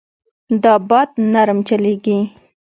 دا باد نرم چلېږي.